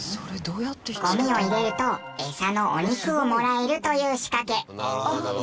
ゴミを入れるとエサのお肉をもらえるという仕掛け。